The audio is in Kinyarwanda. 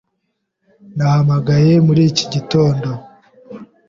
Nahamagaye muri iki gitondo.